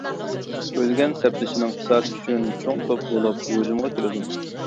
ئۆلگەن سەپدىشىنىڭ قىساسى ئۈچۈن، چوڭ توپ بولۇپ ھۇجۇمغا كېلىدۇ.